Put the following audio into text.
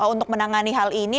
untuk menangani hal ini